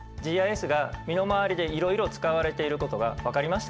ＧＩＳが身の回りでいろいろ使われていることが分かりましたね。